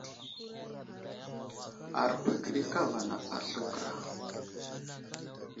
Aruhw akəɗi kava napaɗ slu kəra.